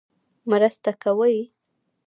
مرسته کوي.